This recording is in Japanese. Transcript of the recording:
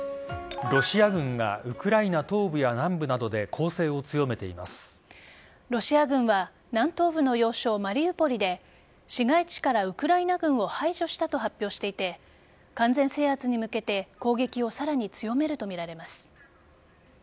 ロシア軍がウクライナ東部や南部などでロシア軍は南東部の要衝・マリウポリで市街地からウクライナ軍を排除したと発表していて完全制圧に向けて攻撃をさらに強めるとみられます。